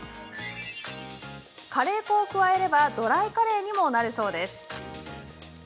カレー粉を加えればドライカレーにもなるそうです。